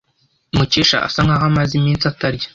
Mukesha asa nkaho amaze iminsi atarya.